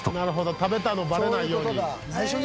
食べたのバレないように。